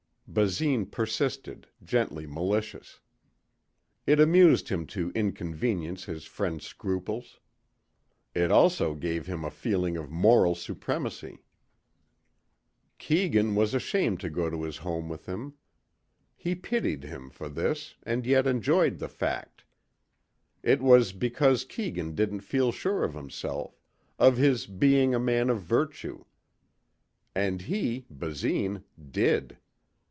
Basine persisted, gently malicious. It amused him to inconvenience his friend's scruples. It also gave him a feeling of moral supremacy. Keegan was ashamed to go to his home with him. He pitied him for this and yet enjoyed the fact. It was because Keegan didn't feel sure of himself, of his being a man of virtue. And he, Basine, did.